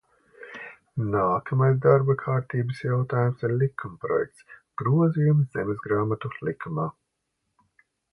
"Nākamais darba kārtības jautājums ir likumprojekts "Grozījumi Zemesgrāmatu likumā"."